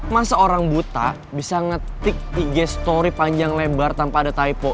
masa orang buta bisa ngetik tiga story panjang lebar tanpa ada typo